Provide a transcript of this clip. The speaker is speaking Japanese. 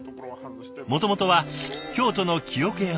もともとは京都の木桶屋の３代目。